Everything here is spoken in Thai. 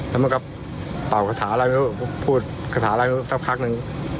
แล้วมันก็เป่ากระถาลายนึง